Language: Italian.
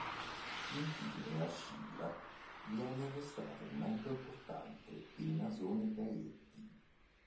Infine a Scilla viene arrestato un membro importante dei Nasone-Gaietti.